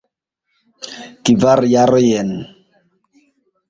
Kvar jarojn.